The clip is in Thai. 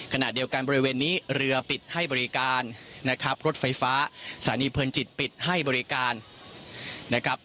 ขณะเดียวกันบริเวณนี้เรือปิดให้บริการนะครับรถไฟฟ้าสถานีเพลินจิตปิดให้บริการนะครับ